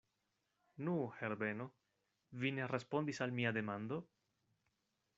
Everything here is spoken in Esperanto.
Nu, Herbeno, vi ne respondis al mia demando?